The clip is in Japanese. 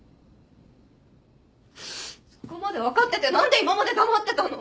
そこまで分かってて何で今まで黙ってたの？